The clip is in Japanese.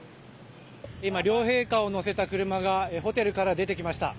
今、両陛下を乗せた車がホテルから出てきました。